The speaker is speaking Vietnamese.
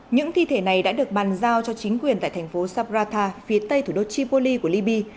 những thi thể này đã được bàn giao cho chính quyền tại thành phố sabrata phía tây thủ đô tripoli của liby